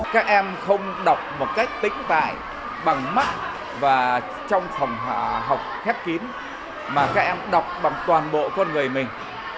các em không đọc một cách tĩnh tải bằng mắt và trong phòng học khép kín mà các em đọc bằng toàn bộ con người mình